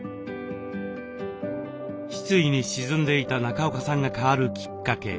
失意に沈んでいた中岡さんが変わるきっかけ。